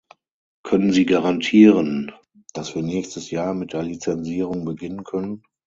Können Sie garantieren, dass wir nächstes Jahr mit der Lizensierung beginnen können?